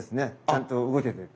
ちゃんと動けてる。